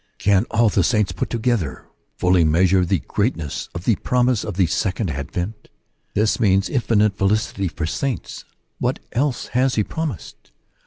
Can all the saints put together fully measure the greatness of the promise of the Second Advent ? This means infinite felicity for saints. What else has he promised